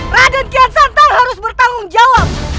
raden kian santal harus bertanggung jawab